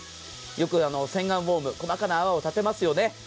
よく洗顔フォーム、細かな泡を立てますよね。